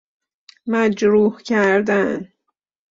مجروح کردن